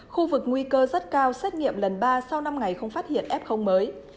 khu vực nguy cơ rất cao xét nghiệm lần ba sau năm ngày không phát hiện f mới